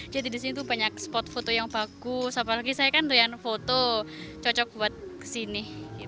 jadi di sini banyak spot foto yang bagus apalagi saya kan foto cocok buat kesini